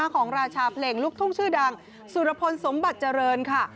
ของราชาเพลงลูกทุ่งชื่อดังสุรพลสมบัติเจริญค่ะ